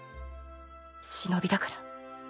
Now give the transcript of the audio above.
忍だから